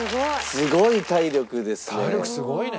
すごい体力ですね。